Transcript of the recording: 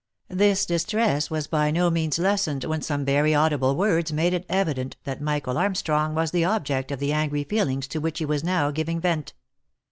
This distress was by no means lessened when some very audible words made it evident that Michael Armstrong was the object of the angry feelings to which he was now giving vent.